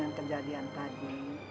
dengan kejadian tadi